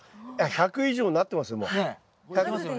１００以上なってますよ